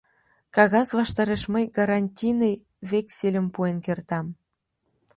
Кагаз ваштареш мый гарантийный вексельым пуэн кертам.